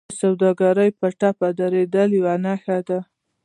د سوداګرۍ په ټپه درېدل یوه نښه ده